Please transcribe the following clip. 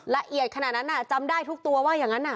ละเอียดขนาดนั้นจำได้ทุกตัวว่าอย่างนั้น